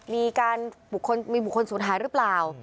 มีบุคคลสูญหายหรือเปล่า